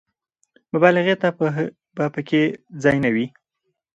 مبالغې ته به په کې ځای نه وي.